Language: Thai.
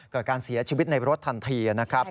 เกิดการเสียชีวิตในรถทันทีนะครับ